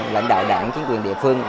lãnh đạo đảng chính quyền địa phương